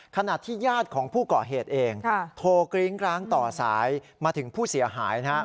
ขณะที่ญาติของผู้ก่อเหตุเองโทรกริ้งร้างต่อสายมาถึงผู้เสียหาย